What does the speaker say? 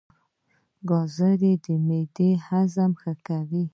ګازرې د معدې هضم ښه کوي.